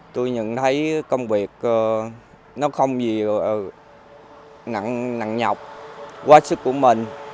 tôi nhận thấy công việc nó không nhiều nặng nhọc quá sức của mình